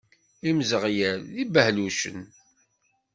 Imzeɣyal d ibeɣlellucen.